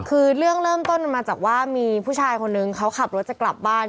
คือเรื่องเริ่มต้นมาจากว่ามีผู้ชายคนนึงเขาขับรถจะกลับบ้าน